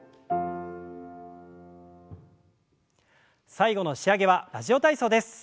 最後の仕上げは「ラジオ体操」です。